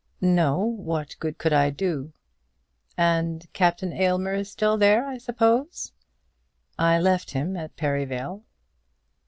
"No; what good could I do?" "And Captain Aylmer is still there, I suppose?" "I left him at Perivale."